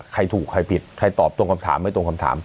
ใครถูกใครผิดใครตอบตรงคำถามไม่ตรงคำถาม